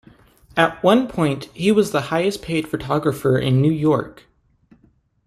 At one point he was the highest paid photographer in New York.